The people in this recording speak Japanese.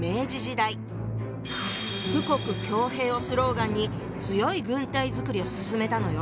「富国強兵」をスローガンに強い軍隊作りを進めたのよ。